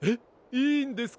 いいんですか？